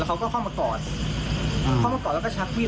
แล้วเขาก็เข้ามากรอดอืมเข้ามากรอดแล้วก็ชักพรีด